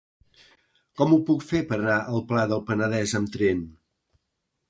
Com ho puc fer per anar al Pla del Penedès amb tren?